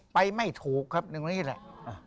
ไม่ถูกครับตรงนี้แหละ